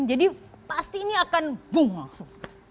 jadi pasti ini akan boom langsung